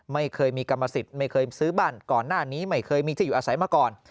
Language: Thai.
ไม่เคยมีกรรมสิทธิ์ไม่เคยซื้อบ้านก่อนหน้านี้ไม่เคยมีที่อยู่อาศัยมาก่อน